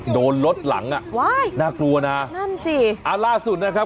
โดนรถหลังอ่ะว้ายน่ากลัวนะนั่นสิอ่าล่าสุดนะครับ